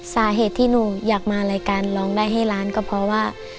สาเหตุที่หนูอยากมารายการร้องได้ให้ล้านก็เพราะว่า